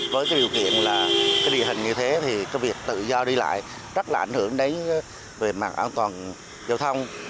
với điều kiện địa hình như thế việc tự do đi lại rất là ảnh hưởng đến mạng an toàn giao thông